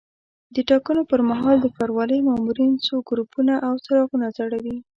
د ټاکنو پر مهال د ښاروالۍ مامورین څو ګروپونه او څراغونه ځړوي.